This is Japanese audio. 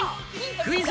クイズ！